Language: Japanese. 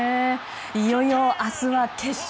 いよいよ明日は決勝。